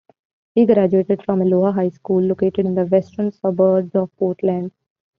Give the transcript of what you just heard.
He graduated from Aloha High School, located in the western suburbs of Portland.